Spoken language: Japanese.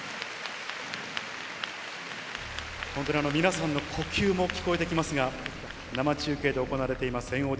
本当に皆さんの呼吸も聞こえてきますが、生中継で行われています